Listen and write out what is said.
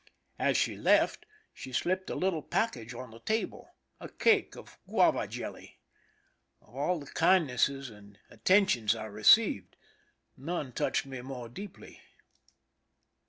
As she left, she slipped a little package on the table, a cake of guava jelly. Of all the kindnesses and attentions I received, none touched me more deeply.